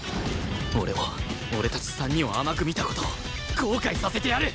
俺を俺たち３人を甘く見た事を後悔させてやる！